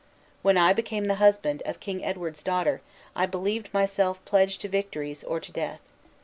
When I became the husband of King Edward's daughter, I believed myself pledged to victories or to death.